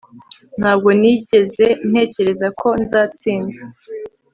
Ntabwo nigeze ntekereza ko nzatsinda